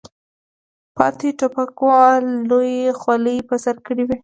پاتې ټوپکوالو لویې خولۍ په سر کړې وې.